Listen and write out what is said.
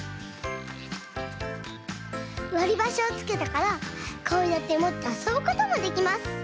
わりばしをつけたからこうやってもってあそぶこともできます。